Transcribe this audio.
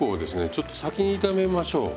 ちょっと先に炒めましょう。